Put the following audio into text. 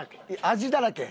味だらけ？